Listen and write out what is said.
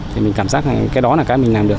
thì mình cảm giác rằng cái đó là cái mình làm được